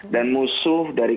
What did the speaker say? dan musuh dari dprd dki jakarta